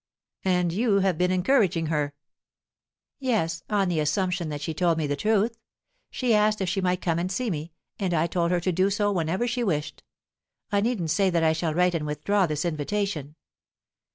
"And you have been encouraging her?" "Yes, on the assumption that she told me the truth. She asked if she might come and see me, and I told her to do so whenever she wished. I needn't say that I shall write and withdraw this invitation."